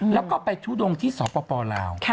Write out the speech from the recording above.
แล้วก็ไปทุดงที่สปลาว